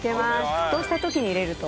沸騰した時に入れると。